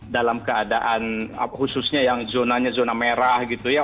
dalam keadaan khususnya yang zonanya zona merah gitu ya